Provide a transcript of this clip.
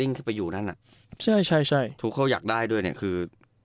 ขึ้นไปอยู่นั่นอ่ะใช่ใช่ทุกคนอยากได้ด้วยเนี่ยคือ